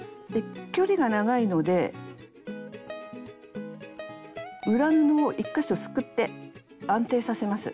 距離が長いので裏布を１か所すくって安定させます。